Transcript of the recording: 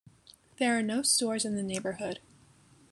There are no stores in the neighborhood.